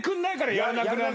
やらなくなる。